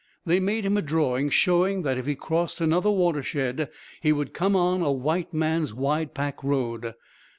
They made him a drawing showing that if he crossed another watershed he would come on a white man's wide pack road.